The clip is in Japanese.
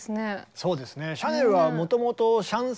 そうですね。